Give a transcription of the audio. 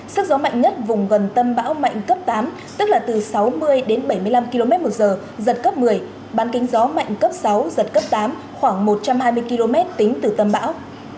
sức gió mạnh nhất vùng gần tâm bão mạnh cấp tám tức là từ sáu mươi đến bảy mươi năm km một giờ giật cấp một mươi bán kính gió mạnh cấp sáu giật cấp tám khoảng một trăm hai mươi km tính từ tâm bão